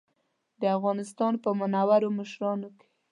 د افغانستان په منورو مشرانو کې.